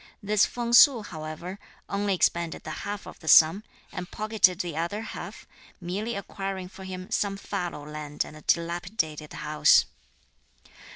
This Feng Su, however, only expended the half of the sum, and pocketed the other half, merely acquiring for him some fallow land and a dilapidated house.